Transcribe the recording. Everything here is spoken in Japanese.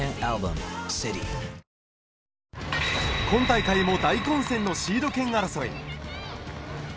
今大会も大混戦のシード権争い。